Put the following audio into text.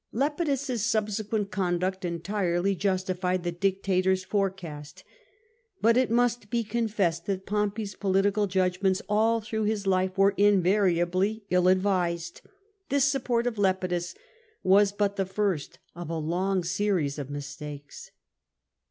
Lepi dus's subsequent conduct entirely justified the dictator's forecast. But it must be confessed that Pompey's political judgments all through life were invariably ill advised : this support of Lepidus was but the first of a long series of mistakes.